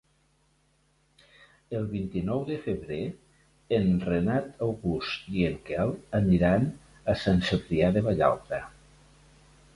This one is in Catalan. El vint-i-nou de febrer en Renat August i en Quel aniran a Sant Cebrià de Vallalta.